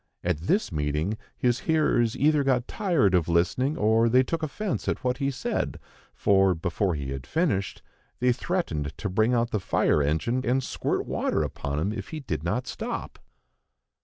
At this meeting, his hearers either got tired of listening or they took offence at what he said, for, before he had finished, they threatened to bring out the fire engine and squirt water upon him if he did not stop.